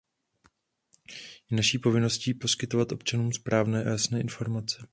Je naší povinností poskytovat občanům správné a jasné informace.